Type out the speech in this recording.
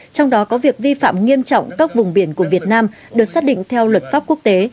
trong đó có việc vi phạm nghiêm trọng các vùng biển của việt nam được xác định theo luật pháp quốc tế